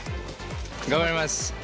頑張ります！